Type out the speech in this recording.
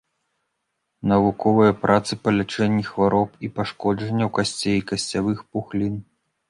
Навуковыя працы па лячэнні хвароб і пашкоджанняў касцей, касцявых пухлін.